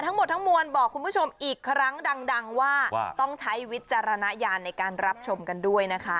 ทั้งหมดทั้งมวลบอกคุณผู้ชมอีกครั้งดังว่าต้องใช้วิจารณญาณในการรับชมกันด้วยนะคะ